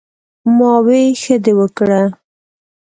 " ـ ما وې " ښۀ دې وکړۀ " ـ